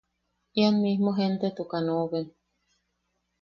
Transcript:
Ian mismo gen- tetukan oben.